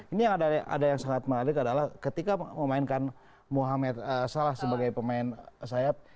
ini yang ada yang sangat menarik adalah ketika memainkan mohamed salah sebagai pemain sayap